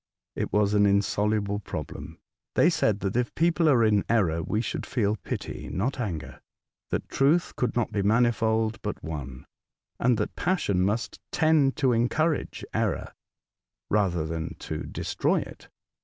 It was an in soluble problem. They said that if people are in error we should feel pity, not anger ; that truth could not be manifold, but one ; and that passion must tend to encourage error, rather than to destroy it.